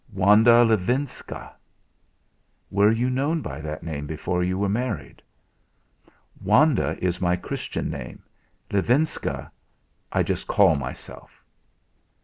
"Wanda Livinska." "Were you known by that name before you were married?" "Wanda is my Christian name. Livinska I just call myself."